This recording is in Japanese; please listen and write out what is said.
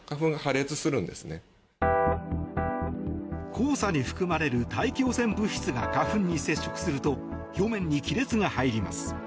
黄砂に含まれる大気汚染物質が花粉に接触すると表面に亀裂が入ります。